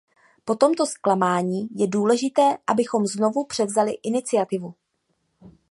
Po tomto zklamání je důležité, abychom znovu převzali iniciativu.